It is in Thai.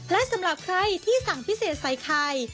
และสำหรับใครที่สั่งพิเศษใส่ไข่